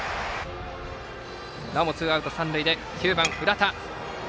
なおもツーアウト三塁で９番、浦田。